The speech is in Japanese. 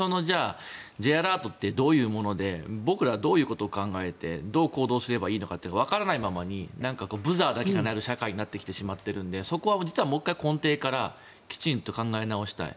Ｊアラートってどういうもので僕らはどういうことを考えてどう行動すればいいのかってわからないままにブザーだけが鳴る社会になってきてしまっているんでそこは実は、もう１回根底から考え直したい。